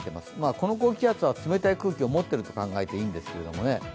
この高気圧は冷たい空気を持ってると考えていいんですが。